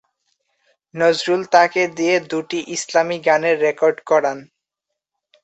নজরুল তাকে দিয়ে দুটি ইসলামী গানের রেকর্ড করান।